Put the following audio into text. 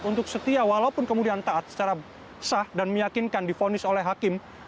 untuk setia walaupun kemudian taat secara sah dan meyakinkan difonis oleh hakim